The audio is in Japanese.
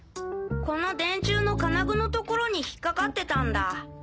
この電柱の金具のところに引っかかってたんだ。